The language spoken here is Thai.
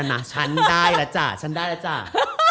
มาเยอะมาก